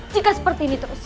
jika seperti ini terus